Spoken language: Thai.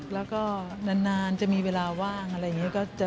แล้วก็นานจะมีเวลาว่างอะไรอย่างนี้